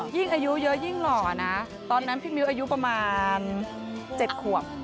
ยิ่งอายุเยอะยิ่งหล่อนะตอนนั้นพี่มิ้วอายุประมาณ๗ขวบ